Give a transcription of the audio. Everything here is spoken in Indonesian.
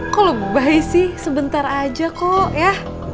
kok lebay sih sebentar aja kok ya